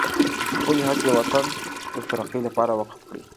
خپلې هڅې د وطن د ترقۍ لپاره وقف کړئ.